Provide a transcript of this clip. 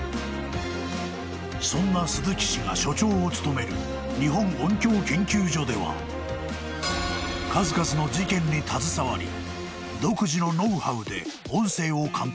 ［そんな鈴木氏が所長を務める日本音響研究所では数々の事件に携わり独自のノウハウで音声を鑑定］